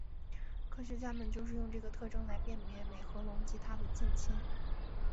科学家们就是用这个特征来辨别美颌龙及它的近亲。